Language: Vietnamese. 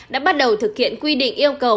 đã bắt đầu thực hiện quy định yêu cầu